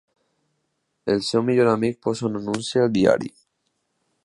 El seu millor amic posa un anunci al diari!